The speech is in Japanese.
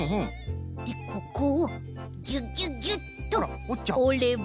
でここをギュギュギュッとおれば。